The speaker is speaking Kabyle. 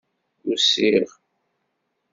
Usiɣ.